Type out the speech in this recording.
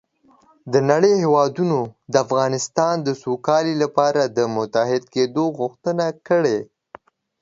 د نړۍ هېوادونو د افغانستان د سوکالۍ لپاره د متحد کېدو غوښتنه کړې